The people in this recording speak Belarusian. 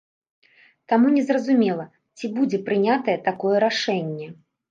Таму не зразумела, ці будзе прынятае такое рашэнне.